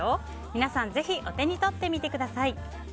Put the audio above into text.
皆さんぜひお手に取ってみてください。